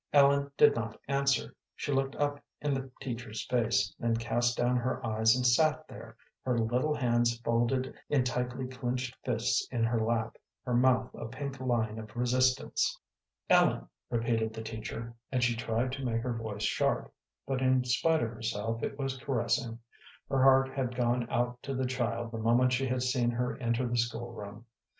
Ellen did not answer. She looked up in the teacher's face, then cast down her eyes and sat there, her little hands folded in tightly clinched fists in her lap, her mouth a pink line of resistance. "Ellen," repeated the teacher, and she tried to make her voice sharp, but in spite of herself it was caressing. Her heart had gone out to the child the moment she had seen her enter the school room.